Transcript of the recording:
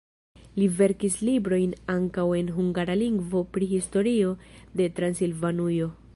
Li verkis librojn ankaŭ en hungara lingvo pri historio de Transilvanujo.